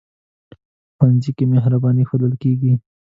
ښوونځی کې مهرباني ښودل کېږي